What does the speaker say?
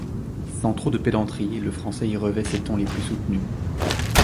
Sans trop de pédanterie, le français y revêt ses tons les plus soutenus.